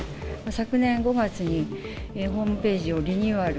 昨年５月にホームページをリニューアル。